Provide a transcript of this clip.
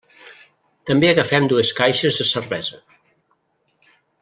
També agafem dues caixes de cervesa.